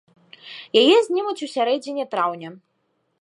Яе знімуць у сярэдзіне траўня.